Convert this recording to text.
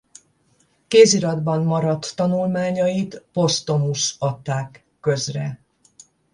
Kéziratban maradt tanulmányait posztumusz adták közre.